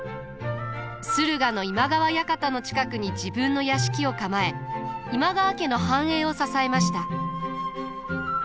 駿河の今川館の近くに自分の屋敷を構え今川家の繁栄を支えました。